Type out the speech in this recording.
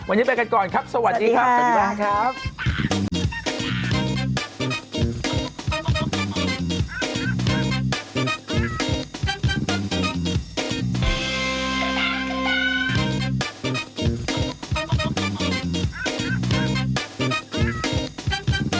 วันนี้ไปกันก่อนครับสวัสดีครับสวัสดีค่ะสวัสดีค่ะสวัสดีค่ะสวัสดีค่ะ